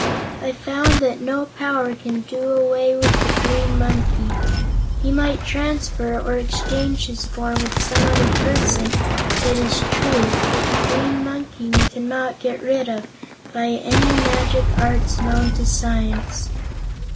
I found that no power can do away with the Green Monkey. He might transfer, or exchange his form with some other person, it is true; but the Green Monkey we cannot get rid of by any magic arts known to science."